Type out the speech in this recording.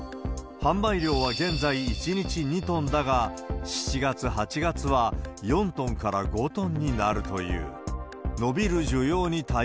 販売量は現在、１日２トンだが、７月、８月は４トンから５トンになるという。